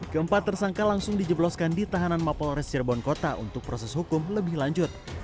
keempat tersangka langsung dijebloskan di tahanan mapol res cirebon kota untuk proses hukum lebih lanjut